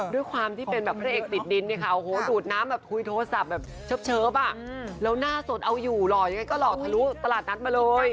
ด้วยความที่เป็นพระเอกติดดินดูดน้ำโทรศัพท์เชิบแล้วหน้าสดเอาอยู่หล่อยก็หล่อทะลุตลาดนัทมาเลย